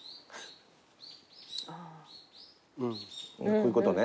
こういうことね。